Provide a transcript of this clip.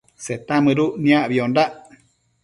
Seta mëduc niacbiondac